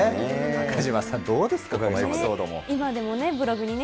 中島さん、どうですか、エピソー